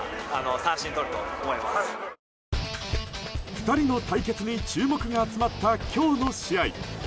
２人の対決に注目が集まった今日の試合。